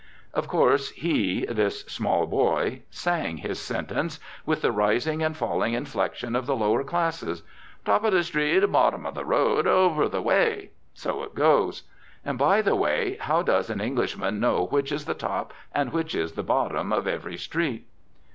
Of course he, this small boy, sang his sentences, with the rising and falling inflection of the lower classes. "Top of the street, bottom of the road, over the way" so it goes. And, by the way, how does an Englishman know which is the top and which is the bottom of every street?